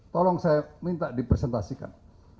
tolong saya minta dipresentasikan